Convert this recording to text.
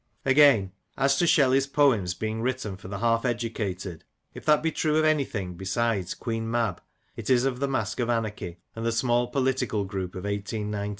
Again, as to Shelley's poems being written for the half educated — if that be true of anything besides Queen Maby it is of The Mask of Anarchy and the small political group of 1 8 19.